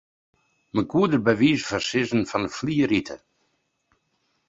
Men koe der by wize fan sizzen fan 'e flier ite.